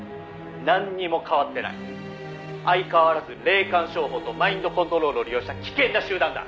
「なんにも変わってない」「相変わらず霊感商法とマインドコントロールを利用した危険な集団だ」